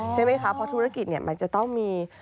ใช่ไหมคะเพราะธุรกิจมันจะต้องมี